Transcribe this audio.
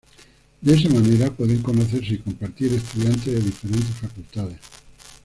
De esa manera pueden conocerse y compartir estudiantes de diferentes facultades.